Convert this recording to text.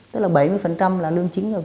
tức là bảy mươi là lương chính rồi